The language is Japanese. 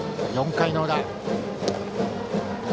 ４回の裏。